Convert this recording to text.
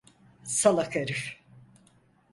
Salak herif!